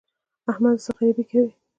احمده! څه غريبي کوې؟